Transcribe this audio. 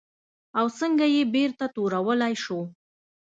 او څنګه یې بېرته تورولی شو؟